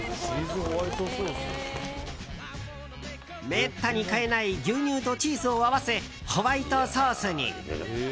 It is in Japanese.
めったに買えない牛乳とチーズを合わせホワイトソースに。